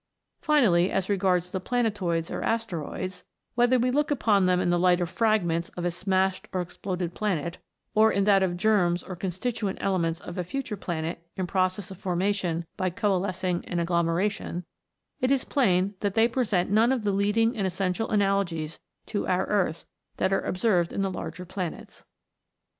Finally, as regards the planetoids or asteroids whether we look upon them in the light of frag ments of a smashed or exploded planet, or in that of germs or constituent elements of a future planet in process of formation by coalescing and agglome ration it is plain that they present none of the leading and essential analogies to our earth that are observed in the larger planets.